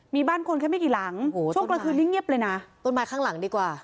มีบ้านคนแค่ไม่กี่หลังช่วงกลางคืนนี้เงียบเลยนะต้นไม้ข้างหลังดีกว่า